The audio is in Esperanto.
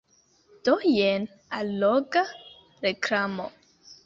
Do jen alloga reklamo.